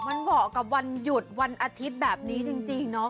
มันเหมาะกับวันหยุดวันอาทิตย์แบบนี้จริงเนาะ